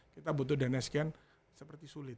kita butuh dana sekian seperti sulit